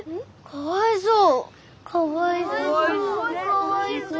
かわいそう。